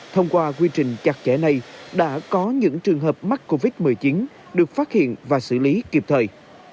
thông qua quy trình chặt chẽ này đã có những trường hợp mắc covid một mươi chín được phát hiện và xử lý kịp thời